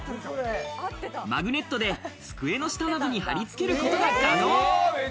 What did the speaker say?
マグネットで机の下などに貼り付けることが可能。